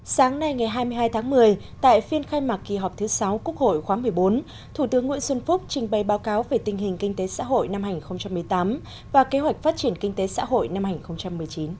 sáng nay ngày hai mươi hai tháng một mươi tại phiên khai mạc kỳ họp thứ sáu quốc hội khóa một mươi bốn thủ tướng nguyễn xuân phúc trình bày báo cáo về tình hình kinh tế xã hội năm hai nghìn một mươi tám và kế hoạch phát triển kinh tế xã hội năm hai nghìn một mươi chín